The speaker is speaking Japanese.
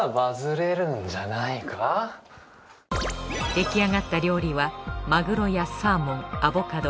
出来上がった料理はマグロやサーモンアボカド